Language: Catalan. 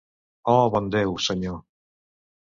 Oh, bon Déu, senyor!